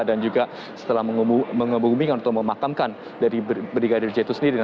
dan juga setelah mengumumkan atau memakamkan dari brigadir j itu sendiri